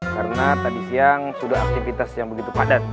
karena tadi siang sudah aktivitas yang begitu padat